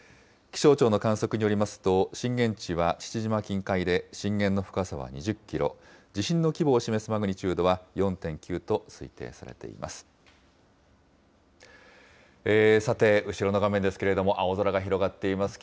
気象庁の観測によりますと、震源地は父島近海で、震源の深さは２０キロ、地震の規模を示すマグニチュードは４．９と推定されています。